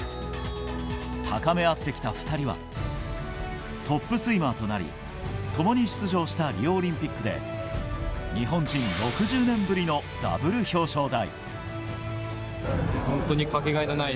高め合ってきた２人はトップスイマーとなり共に出場したリオオリンピックで日本人６０年ぶりのダブル表彰台。